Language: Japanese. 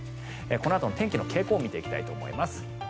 このあとの天気の傾向を見ていきたいと思います。